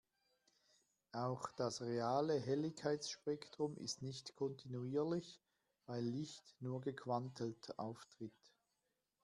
Auch das reale Helligkeitsspektrum ist nicht kontinuierlich, weil Licht nur gequantelt auftritt.